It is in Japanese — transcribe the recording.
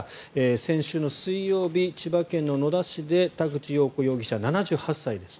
先週の水曜日、千葉県の野田市で田口よう子容疑者、７８歳です